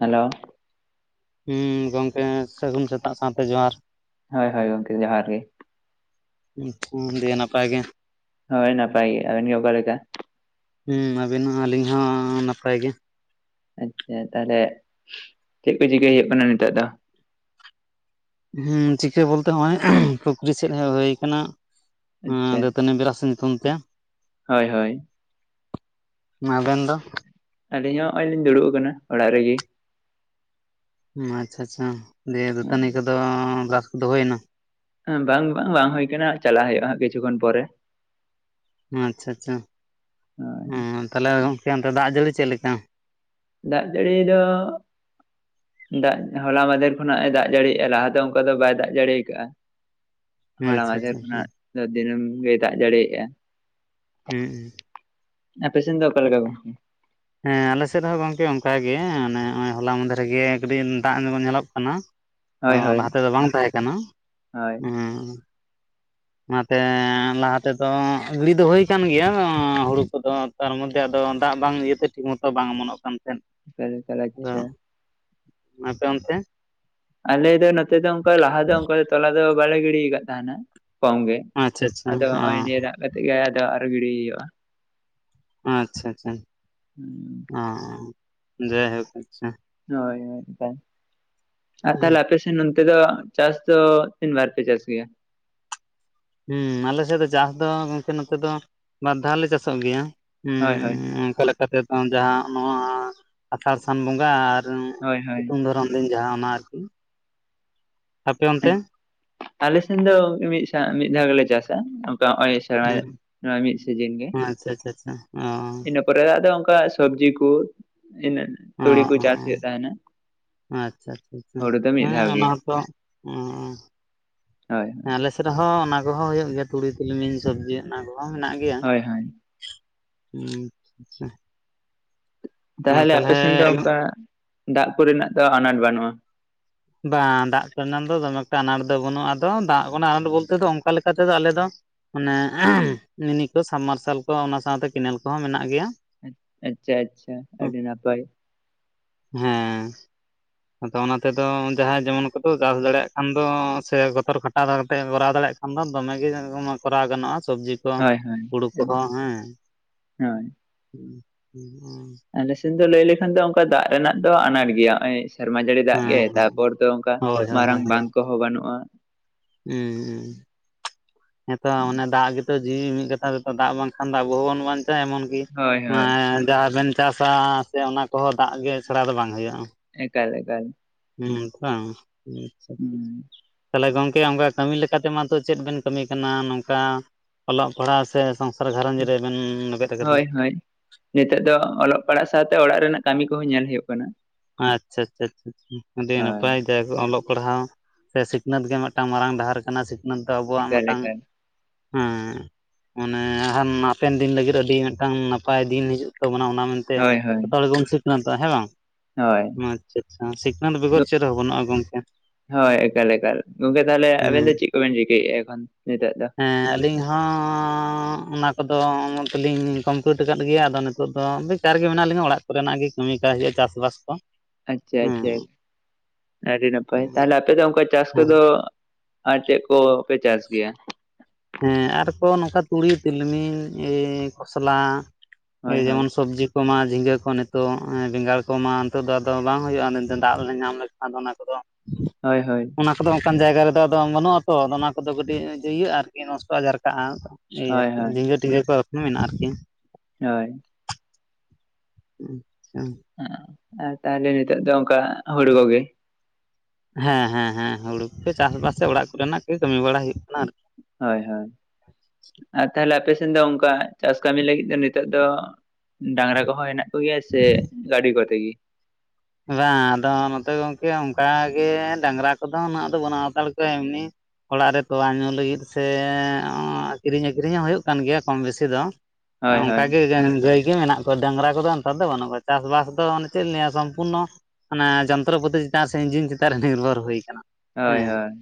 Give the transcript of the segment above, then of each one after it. Hello ᱦᱩᱸ ᱜᱚᱢᱠᱮ ᱥᱟᱹᱜᱩᱱ ᱥᱮᱛᱟᱜ ᱥᱟᱶᱛᱮ ᱡᱚᱦᱟᱨ᱾ ᱦᱳᱭ ᱦᱳᱭ ᱜᱚᱢᱠᱮ ᱡᱚᱦᱟᱨ ᱜᱮ᱾ ᱟᱪᱷᱟ ᱫᱤᱭᱮ ᱱᱟᱯᱟᱭ ᱜᱮ ᱦᱳᱭ ᱱᱟᱯᱟᱭ ᱜᱮ ᱟᱵᱤᱱ ᱜᱮ ᱚᱠᱟ ᱞᱮᱠᱟ ᱦᱩᱸ ᱟᱵᱤᱱ ᱦᱚᱸ ᱟᱹᱞᱤᱧ ᱦᱚᱸ ᱱᱟᱯᱟᱭ ᱜᱮ ᱟᱪᱪᱷᱟ ᱛᱟᱦᱞᱮ ᱪᱮᱫ ᱠᱚ ᱪᱤᱠᱟᱹᱭ ᱦᱩᱭᱩᱜ ᱠᱟᱱᱟ ᱱᱤᱛᱚᱜ ᱫᱚ᱾ ᱦᱩᱸ ᱪᱤᱠᱟᱹ ᱵᱚᱞᱛᱮ ᱦᱚᱸᱜ ᱚᱭ ᱯᱩᱠᱷᱨᱤ ᱥᱮᱫ ᱦᱮᱡ ᱦᱩᱭ ᱠᱟᱱᱟ ᱟᱪᱪᱷᱟ ᱦᱮᱸ ᱫᱟᱹᱛᱟᱹᱱᱤ ᱵᱮᱨᱟᱥ ᱧᱩᱛᱩᱢ ᱛᱮ ᱦᱳᱭ ᱦᱳᱭ ᱟᱵᱮᱱ ᱫᱚ ᱟᱹᱞᱤᱧ ᱦᱚᱸ ᱦᱚᱜ ᱚᱭ ᱞᱤᱧ ᱫᱩᱲᱩᱵ ᱠᱟᱱᱟ ᱚᱲᱟᱜ ᱨᱮᱜᱮ ᱟᱪᱷᱟ ᱟᱪᱷᱟ ᱫᱤᱭᱮ ᱫᱟᱹᱛᱟᱹᱱᱤ ᱠᱚᱫᱚ ᱵᱨᱟᱥ ᱠᱚᱫᱚ ᱦᱳᱭᱱᱟ᱾ ᱵᱟᱝ ᱵᱟᱝ ᱵᱟᱝ ᱦᱩᱭ ᱠᱟᱱᱟ ᱪᱟᱞᱟᱜ ᱦᱩᱭᱩᱜᱼᱟ ᱦᱟᱸᱜ ᱠᱤᱪᱷᱩᱠᱷᱚᱱ ᱯᱚᱨᱮ ᱟᱪᱪᱷᱟ ᱟᱪᱪᱷᱟ ᱦᱳᱭ ᱛᱟᱦᱞᱮ ᱜᱚᱝᱠᱮ ᱚᱱᱛᱮ ᱫᱟᱜ ᱡᱟᱹᱲᱤ ᱪᱮᱫᱞᱮᱠᱟ ᱫᱟᱜ ᱡᱟᱹᱲᱤ ᱫᱚ ᱫᱟᱜ ᱦᱚᱞᱟ ᱢᱟᱫᱷᱮᱨ ᱠᱷᱚᱱᱟᱜ ᱮ ᱫᱟᱜ ᱡᱟᱲᱤᱭᱮᱫᱼᱟ ᱞᱟᱦᱟ ᱫᱚ ᱚᱱᱠᱟ ᱫᱚ ᱵᱟᱭ ᱫᱟᱜ ᱡᱟᱲᱤ ᱟᱠᱟᱫᱼᱟ᱾ ᱦᱚᱞᱟ ᱟᱪᱪᱷᱟ ᱢᱟᱫᱷᱮᱨ ᱟᱪᱪᱷᱟ ᱦᱩᱸ ᱠᱷᱚᱱᱟᱜ ᱫᱚ ᱫᱤᱱᱟ. ᱢ ᱜᱮ ᱫᱟᱜ ᱡᱟᱲᱤᱭᱟᱜᱼᱟ᱾ ᱦᱩᱜ ᱩ ᱟᱯᱮᱥᱮᱱ ᱫᱚ ᱚᱠᱟ ᱞᱮᱠᱟ ᱜᱚᱝᱠᱮ ᱦᱮᱸ ᱟᱞᱮᱥᱮᱫ ᱦᱚᱸ ᱜᱚᱝᱠᱮ ᱚᱱᱠᱟ ᱜᱮ ᱱᱚᱜᱚᱭ ᱦᱚᱞᱟ ᱢᱟᱫᱽᱫᱷᱮᱨ ᱜᱮ ᱠᱟᱹᱴᱤᱡ ᱫᱟᱜ ᱱᱚᱜ ᱧᱮᱞᱚᱜ ᱠᱟᱱᱟ ᱛᱚ ᱦᱳᱭ ᱦᱳᱭ ᱞᱟᱦᱟ ᱛᱮᱫᱚ ᱵᱟᱝ ᱛᱟᱦᱮᱸ ᱠᱟᱱᱟ ᱦᱳᱭ ᱦᱮ ᱚᱱᱟᱛᱮ ᱞᱟᱦᱟ ᱛᱮᱫᱚ ᱜᱤᱲᱤ ᱫᱚ ᱦᱩᱭ ᱠᱟᱱ ᱜᱮᱭᱟ ᱦᱩᱲᱩ ᱠᱚᱫᱚ ᱛᱟᱨ ᱢᱚᱫᱽᱫᱷᱮ ᱟᱫᱚ ᱫᱟᱜ ᱵᱟᱝ ᱤᱭᱟᱹᱛᱮ ᱴᱷᱤᱠ ᱢᱚᱛᱚ ᱵᱟᱝ ᱚ ᱮᱢᱚᱱᱚᱜ ᱠᱟᱱᱟ᱾ ᱴᱷᱮᱱ ᱮᱠᱟᱞ ᱮᱠᱟᱞ ᱟᱫᱚ ᱟᱪᱪᱷᱟ ᱟᱯᱮ ᱚᱱᱛᱮ᱾ ᱟᱞᱮ ᱫᱚ ᱱᱚᱛᱮ ᱫᱚ ᱚᱱᱠᱟ ᱞᱟᱦᱟ ᱫᱚ ᱚᱱᱠᱟ ᱛᱚᱞᱟ ᱫᱚ ᱵᱟᱞᱮ ᱜᱤᱲᱤ ᱠᱟᱫ ᱛᱟᱦᱮᱱᱟ ᱠᱚᱢ ᱜᱮ᱾ ᱟᱪᱪᱷᱟ ᱟᱪᱪᱷᱟ ᱚ ᱟᱫᱚ ᱦᱚᱸᱜᱼᱚᱭ ᱱᱤᱭᱟᱹ ᱫᱟᱜ ᱠᱟᱛᱮ ᱜᱮ ᱟᱫᱚ ᱟᱨᱚ ᱜᱤᱲᱤ ᱦᱩᱭᱩᱜᱼᱟ᱾ ᱟᱪᱪᱷᱟ ᱟᱪᱷᱟ᱾ [inaudible] ᱚ ᱡᱟᱭᱦᱚᱠ ᱟᱪᱪᱷᱟ ᱦᱳᱭ ᱦᱳᱭ ᱟᱨ ᱛᱟᱦᱚᱞᱮ ᱟᱯᱮ ᱥᱮᱫ ᱱᱚᱱᱛᱮ ᱫᱚ ᱪᱟᱥ ᱫᱚ ᱛᱤᱱ ᱵᱟᱨ ᱯᱮ ᱪᱟᱥ ᱜᱮᱭᱟ ᱦᱩᱸ ᱟᱞᱮᱥᱮᱫ ᱫᱚ ᱪᱟᱥ ᱫᱚ ᱜᱚᱝᱠᱮ ᱱᱚᱛᱮ ᱫᱚ ᱵᱟᱨ ᱫᱷᱟᱣ ᱞᱮ ᱪᱟᱥᱚᱜ ᱜᱮᱭᱟ ᱦᱩᱸ ᱦᱳᱭ ᱦᱳᱭ ᱚᱱᱠᱟ ᱞᱮᱠᱟ ᱛᱮᱫᱚ ᱡᱟᱦᱟᱸ ᱱᱚᱣᱟ ᱟᱥᱟᱲ ᱥᱟᱱ ᱵᱚᱸᱜᱟ ᱟᱨ ᱦᱳᱭ [inaudible] ᱦᱳᱭ ᱥᱤᱛᱩᱝ ᱫᱷᱚᱨᱚᱱ ᱫᱤᱱ ᱡᱟᱦᱟᱸ ᱚᱱᱟ ᱟᱨᱠᱤ ᱟᱯᱮ ᱚᱱᱛᱮ ᱟᱞᱮ ᱥᱮᱱ ᱫᱚ ᱢᱤᱫ ᱥᱟᱣ ᱢᱤᱫ ᱫᱷᱟᱣ ᱜᱮᱞᱮ ᱪᱟᱥᱟ ᱟᱯᱮ ᱦᱚᱜᱚᱭ ᱥᱮᱨᱢᱟ ᱫᱟᱜ ᱦᱩᱸ ᱱᱚᱣᱟ ᱢᱤᱫ ᱥᱤᱡᱤᱱ ᱜᱮ᱾ ᱟᱪᱪᱷᱟ ᱟᱪᱪᱷᱟ ᱪᱷᱟ ᱚ ᱤᱱᱟᱹ ᱯᱚᱨᱮ ᱫᱚ ᱟᱫᱚ ᱚᱱᱠᱟ ᱥᱚᱵᱽᱡᱤ ᱠᱚ ᱚ ᱛᱩᱲᱤ ᱠᱚ ᱪᱟᱥ ᱚ ᱦᱩᱭᱩᱜ ᱛᱟᱦᱮᱱᱟ ᱟᱪᱪᱷᱟ ᱟᱪᱪᱷᱟ ᱪᱷᱟ ᱦᱩᱲᱩ ᱫᱚ ᱢᱤᱫ ᱦᱮᱸ ᱫᱷᱟᱣ ᱜᱮ ᱚᱱᱟ ᱦᱚᱸᱛᱚ ᱦᱳᱭ ᱨᱮᱦᱚᱸ ᱚᱱᱟ ᱠᱚᱦᱚᱸ ᱦᱩᱭᱩᱜ ᱜᱮᱭᱟ ᱛᱩᱲᱤ ᱛᱤᱞᱢᱤᱧ ᱥᱚᱵᱽᱡᱤ ᱚᱱᱟ ᱠᱚᱦᱚᱸ ᱢᱮᱱᱟᱜ ᱜᱮᱭᱟ ᱦᱳᱭ ᱦᱳᱭ, ᱦᱩᱸ ᱟᱪᱪᱷᱟ ᱛᱟᱦᱚᱞᱮ ᱟᱯᱮᱥᱱ ᱫᱚ ᱚᱱᱠᱟ ᱫᱟᱜ ᱠᱚᱨᱮᱱᱟᱜ ᱫᱚ ᱟᱱᱟᱴ ᱵᱟᱹᱱᱩᱜᱼᱟ ᱵᱟᱝ ᱫᱟᱜ ᱨᱮᱱᱟᱜ ᱫᱚ ᱫᱚᱢᱮ ᱮᱠᱴᱟ ᱟᱱᱟᱴ ᱫᱚ ᱵᱟᱹᱱᱩᱜᱼᱟ ᱟᱫᱚ ᱫᱟᱜ ᱟᱱᱟᱴ ᱵᱚᱞᱛᱮ ᱫᱚ ᱚᱱᱠᱟ ᱞᱮᱠᱟᱛᱮᱫᱚ ᱟᱞᱮ ᱫᱚ ᱚᱱᱮ ᱢᱤᱱᱤ ᱠᱚ ᱥᱟᱵᱢᱟᱨᱥᱟᱞ ᱠᱚ ᱚᱱᱟ ᱥᱟᱶᱛᱮ ᱠᱮᱱᱮᱞ ᱠᱚᱦᱚᱸ ᱢᱮᱱᱟᱜ ᱜᱮᱭᱟ ᱟᱪᱪᱷᱟ ᱟᱪᱪᱷᱟ ᱟᱹᱰᱤ ᱱᱟᱯᱟᱭ᱾ ᱦᱮᱸ ᱟᱫᱚ ᱚᱱᱟᱛᱮ ᱟᱫᱚ ᱡᱟᱦᱟᱸᱭ ᱡᱮᱢᱚᱱ ᱠᱚᱫᱚ ᱪᱟᱥ ᱫᱟᱲᱮᱭᱟᱜ ᱠᱦᱟᱱ ᱫᱚ ᱥᱮ ᱜᱚᱛᱚᱨ ᱠᱷᱟᱴᱟᱣ ᱠᱟᱛᱮ ᱠᱚᱨᱟᱣ ᱫᱟᱲᱮᱭᱟᱜ ᱟᱫᱚ ᱫᱚᱢᱮ ᱜᱮ ᱠᱚᱨᱟᱣ ᱜᱟᱱᱚᱜᱼᱟ ᱥᱚᱵᱽᱡᱤ ᱠᱚ ᱦᱳᱭ ᱦᱳᱭ ᱦᱩᱲᱩ ᱠᱚᱦᱚᱸ ᱦᱮᱸ ᱟᱞᱮᱥᱮᱫ ᱫᱚ ᱞᱟᱹᱭ ᱞᱮᱠᱷᱟᱱ ᱫᱚ ᱚᱱᱠᱟ ᱫᱟᱜ ᱨᱮᱱᱟᱜ ᱫᱚ ᱟᱱᱟᱴ ᱜᱮᱭᱟ ᱱᱚᱜᱚᱭ ᱥᱮᱨᱢᱟ ᱡᱟᱹᱲᱤ ᱫᱟᱜ ᱦᱮᱸ ᱜᱮ ᱦᱮᱸ ᱛᱟᱨᱯᱚᱨ ᱫᱚ ᱚᱱᱠᱟ ᱦᱳᱭ ᱦᱳᱭ ᱢᱟᱨᱟᱝ ᱦᱳᱭ ᱵᱟᱱ ᱦᱮᱸ ᱠᱚᱦᱚᱸ ᱵᱟᱹᱱᱩᱜᱼᱟ ᱦᱩᱸ ᱦᱩᱸᱦᱮᱸᱛᱚ ᱚᱱᱮ ᱫᱟᱜ ᱜᱮ ᱡᱤᱣᱤ ᱢᱤᱫ ᱠᱟᱛᱷᱟ ᱛᱮᱛᱚ ᱫᱟᱜ ᱵᱟᱝᱠᱷᱟᱱ ᱫᱚ ᱟᱵᱚ ᱦᱚᱸᱵᱚᱱ ᱵᱟᱧᱪᱟᱜ ᱮᱢᱚᱱ ᱠᱤ ᱦᱳᱭ ᱦᱳᱭ ᱡᱟᱦᱟᱸᱵᱮᱱ ᱪᱟᱥᱟ ᱥᱮ ᱚᱱᱟ ᱠᱚᱦᱚᱸ ᱫᱟᱜ ᱜᱮ ᱪᱷᱟᱲᱟ ᱫᱚ ᱵᱟᱝ ᱦᱩᱭᱩᱜᱼᱟ᱾ ᱮᱠᱟᱞ ᱮᱠᱟᱞ ᱦᱩᱸ [unintelligible] ᱦᱩᱸ ᱛᱟᱞᱦᱮ ᱜᱚᱢᱠᱮ ᱚᱱᱠᱟ ᱠᱟᱹᱢᱤ ᱞᱮᱠᱟᱛᱮ ᱢᱟᱛᱚ ᱪᱮᱫ ᱵᱮᱱ ᱠᱟᱹᱢᱤ ᱠᱟᱱᱟ ᱱᱚᱝᱠᱟ ᱚᱞᱚᱜ ᱯᱟᱲᱦᱟᱜ ᱥᱮ ᱥᱚᱝᱥᱟᱨ ᱜᱷᱟᱨᱚᱸᱡᱽ ᱨᱮᱵᱮᱱ ᱞᱮᱵᱮᱫ ᱟᱠᱟᱫᱟ ᱦᱳᱭ ᱦᱳᱭ ᱱᱤᱛᱚᱜ ᱫᱚ ᱚᱞᱚᱜ ᱯᱟᱲᱦᱟᱜ ᱥᱟᱶᱛᱮ ᱚᱲᱟᱜ ᱨᱮᱱᱟᱜ ᱠᱟᱹᱢᱤ ᱠᱚᱦᱚᱸ ᱧᱮᱞ ᱦᱳᱭᱳᱜ ᱠᱟᱱᱟ ᱟᱪᱪᱷᱟ ᱟᱪᱪᱷᱟ ᱟᱰᱤ ᱦᱳᱭ ᱱᱟᱯᱟᱭ ᱚᱞᱚᱜ ᱯᱟᱲᱦᱟᱣ ᱥᱮ ᱥᱤᱠᱷᱱᱟᱹᱛ ᱜᱮ ᱢᱤᱫᱴᱟᱝ ᱢᱟᱨᱟᱝ ᱰᱟᱦᱟᱨ ᱠᱟᱱᱟ ᱥᱤᱠᱷᱱᱟᱹᱛ ᱫᱚ ᱟᱵᱚᱣᱟᱜ ᱮᱠᱟᱞ ᱢᱤᱫᱴᱟᱝ ᱮᱠᱟᱞ ᱦᱮᱸ ᱢᱟᱱᱮ ᱟᱨ ᱦᱚᱸ ᱦᱟᱯᱮᱱ ᱫᱤᱱ ᱞᱟᱹᱜᱤᱫ ᱟᱹᱰᱤ ᱢᱤᱫᱴᱟᱝ ᱱᱟᱯᱟᱭ ᱫᱤᱱ ᱦᱤᱡᱩᱜ ᱛᱟᱵᱚᱱᱟ ᱚᱱᱟ ᱢᱮᱱᱛᱮ ᱦᱳᱭ ᱦᱳᱭ ᱡᱚᱛᱚ ᱦᱚᱲ ᱜᱮᱵᱚᱱ ᱥᱤᱠᱷᱱᱟᱹᱛᱚᱜ ᱦᱮᱸ ᱵᱟᱝ ᱦᱳᱭ ᱟᱪᱪᱷᱟ ᱟᱪᱪᱷᱟ ᱥᱤᱠᱷᱱᱟᱹᱛ ᱵᱮᱜᱚᱨ ᱫᱚ- ᱪᱮᱫ ᱦᱚᱸ ᱵᱟᱹᱱᱩᱜᱼᱟ ᱜᱚᱝᱠᱮ ᱦᱳᱭ ᱮᱠᱟᱞ ᱮᱠᱟᱞ ᱜᱚᱝᱠᱮ ᱛᱟᱦᱚᱞᱮ ᱟᱵᱮᱱ ᱦᱮᱸ ᱫᱚ ᱪᱮᱫ ᱠᱚᱵᱮᱱ ᱪᱤᱠᱟᱹᱭᱮᱫᱼᱟ ᱮᱠᱷᱚᱱ ᱱᱤᱛᱚᱜ ᱫᱚ ᱮᱸ ᱟᱹᱞᱤᱧ ᱦᱚᱸ ᱦᱚᱸ ᱚᱱᱟ ᱠᱚᱫᱚ ᱢᱚᱛ ᱞᱤᱧ ᱠᱚᱢᱯᱤᱞᱤᱴ ᱟᱠᱟᱫ ᱜᱮᱭᱟ ᱟᱫᱚ ᱱᱤᱛᱚᱜ ᱫᱚ ᱵᱮᱠᱟᱨ ᱜᱮ ᱢᱮᱱᱟᱜ ᱞᱤᱧᱟ ᱚᱲᱟᱜ ᱠᱚᱨᱮᱱᱟᱜ ᱜᱮ ᱠᱟᱹᱢᱤ ᱠᱟᱜ ᱦᱩᱭᱩᱜᱼᱟ ᱪᱟᱥᱵᱟᱥ ᱠᱚ ᱟᱪᱪᱷᱟ ᱦᱮᱸ ᱟᱪᱪᱷᱟ ᱟᱹᱰᱤ ᱱᱟᱯᱟᱭ ᱛᱟᱦᱞᱮ ᱟᱯᱮ ᱫᱚ ᱚᱱᱠᱟ ᱪᱟᱥ ᱦᱮᱸ ᱠᱚᱫᱚ ᱟᱨ ᱪᱮᱫ ᱠᱚᱯᱮ ᱪᱟᱥ ᱜᱮᱭᱟ ᱦᱮᱸ ᱟᱨᱠᱚ ᱱᱚᱝᱠᱟ ᱛᱩᱲᱤ ᱛᱤᱞᱢᱤᱧ ᱠᱚ ᱥᱟᱞᱟᱜ ᱦᱳᱭ ᱦᱳᱭ ᱡᱮᱢᱚᱱ ᱥᱚᱵᱽᱡᱤ ᱠᱚᱢᱟ ᱡᱷᱤᱸᱜᱟᱹ ᱠᱚ ᱱᱤᱛᱚᱜ ᱵᱮᱸᱜᱟᱲ ᱠᱚᱢᱟ ᱱᱤᱛᱚᱜ ᱫᱚ ᱟᱫᱚ ᱵᱟᱝ ᱦᱳᱭᱳᱜᱼᱟ ᱫᱟᱜᱽ ᱞᱮ ᱧᱟᱢ ᱞᱮᱠᱷᱟᱱ ᱫᱚ ᱚᱱᱟ ᱠᱚᱫᱚ ᱦᱳᱭ ᱦᱳᱭ ᱚᱱᱟ ᱠᱚᱫᱚ ᱚᱱᱠᱟᱱ ᱡᱟᱭᱜᱟ ᱨᱮᱫᱚ ᱟᱫᱚ ᱵᱟᱹᱱᱩᱜ ᱟᱛᱚ ᱟᱫᱚ ᱚᱱᱟ ᱠᱚᱫᱚ ᱠᱟᱴᱤᱡ ᱤᱭᱟᱹ ᱟᱨᱠᱤ ᱱᱚᱥᱴᱚ ᱡᱟᱨᱠᱟᱜᱼᱟ ᱥᱮᱭ ᱦᱳᱭ ᱟᱨᱠᱤ ᱦᱳᱭ ᱡᱷᱤᱸᱜᱟᱹ ᱴᱷᱤᱸᱜᱟᱹ ᱠᱚ ᱮᱠᱷᱚᱱᱳ ᱢᱮᱱᱟᱜᱼᱟ ᱟᱨᱠᱤ ᱦᱳᱭ ᱟᱪᱪᱷᱟ ᱦᱮᱸ ᱟᱨ ᱛᱟᱦᱚᱞᱮ ᱱᱤᱛᱚᱜ ᱫᱚ ᱚᱱᱠᱟ ᱦᱩᱲᱩ ᱠᱚᱜᱮ ᱦᱮᱸ ᱦᱮᱸ ᱦᱮᱸ ᱦᱩᱲᱩ ᱠᱚᱜᱮ ᱪᱟᱥᱵᱟᱥ ᱥᱮ ᱚᱲᱟᱜ ᱠᱚᱨᱮᱱᱟᱜ ᱜᱮ ᱠᱟᱹᱢᱤ ᱵᱟᱲᱟ ᱦᱩᱭᱩᱜ ᱠᱟᱱᱟ ᱟᱨᱠᱤ ᱦᱳᱭ ᱦᱳᱭ ᱟᱨ ᱛᱟᱦᱮᱞᱮ ᱟᱯᱥᱮᱱ ᱫᱚ ᱚᱸᱠᱟ ᱪᱟᱥ ᱠᱟᱹᱢᱤ ᱞᱟᱹᱜᱤᱫ ᱫᱚ ᱱᱤᱛᱚᱜ ᱫᱚ ᱰᱟᱺᱜᱽᱨᱟ ᱠᱚᱦᱚᱸ ᱦᱮᱸᱱᱟᱜ ᱠᱚᱜᱮᱭᱟ ᱥᱮ ᱜᱟᱹᱰᱤ ᱠᱚᱛᱮ ᱜᱤ? ᱵᱟᱝ ᱟᱫᱚ ᱱᱚᱛᱮ ᱜᱚᱝᱠᱮ ᱚᱸᱠᱟ ᱜᱮ ᱰᱟᱺᱜᱽᱨᱟ ᱠᱚᱫᱚ ᱩᱱᱟᱹᱜ ᱫᱚ ᱵᱟᱹᱱᱩᱜ ᱦᱟᱛᱟᱲ ᱠᱚᱣᱟ ᱮᱢᱱᱤ ᱚᱲᱟᱜ ᱨᱮ ᱛᱳᱣᱟ ᱧᱩ ᱞᱟᱹᱜᱤᱫ ᱥᱮ, ᱚᱸ ᱠᱤᱨᱤᱧ ᱟᱹᱠᱷᱨᱤᱧ ᱦᱚᱸ ᱦᱩᱭᱩᱜ ᱠᱟᱱ ᱜᱮᱭᱟ ᱠᱚᱢ ᱵᱮᱥᱤ ᱫᱚ, ᱟᱸ ᱦᱳᱭ ᱚᱸᱠᱟ ᱦᱳᱭ ᱜᱮ ᱜᱟᱸ ᱜᱟᱹᱭ ᱜᱮ ᱢᱮᱱᱟᱜ ᱠᱚᱣᱟ, ᱰᱟᱺᱜᱽᱨᱟ ᱠᱚᱫᱚ ᱱᱮᱛᱟᱨ ᱫᱚ ᱵᱟᱹᱱᱩᱜ ᱠᱚᱣᱟ, ᱪᱟᱥᱵᱟᱥ ᱫᱚ ᱚᱱᱮ ᱪᱮᱫ ᱞᱤᱧ ᱞᱟᱹᱭᱼᱟ ᱥᱚᱢ- ᱯᱩᱱᱚ ᱢᱟᱱᱮ ᱡᱚᱱᱛᱚᱨᱚ ᱯᱟᱹᱛᱤ ᱪᱮᱛᱟᱱ ᱥᱮ ᱤᱧᱡᱤᱱ ᱪᱮᱛᱟᱱ ᱨᱮ ᱱᱤᱨᱵᱷᱚᱨ ᱦᱩᱭ ᱟᱠᱟᱱᱟ᱾ ᱦᱳᱭ ᱦᱮᱸ ᱦᱳᱭ